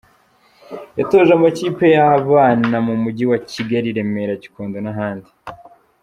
Yatoje amakipe y’abana mu Mujyi wa Kigali i Remera, Gikondo n’ahandi.